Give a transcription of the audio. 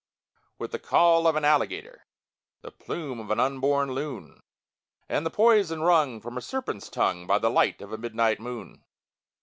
_With the caul of an alligator, The plume of an unborn loon, And the poison wrung From a serpent's tongue By the light of a midnight moon!